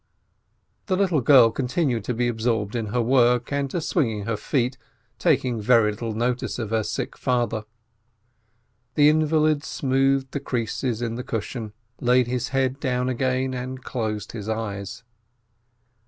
The little girl continued to be absorbed in her work and to swing her feet, taking very little notice of her sick father. The invalid smoothed the creases in the cushion, laid his head down again, and closed his eyes.